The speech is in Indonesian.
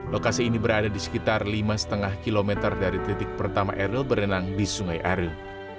lokasi ini berada di sekitar lima lima km dari titik pertama eril berenang di sungai are